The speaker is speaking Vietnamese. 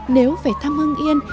nếu phải thăm hương yên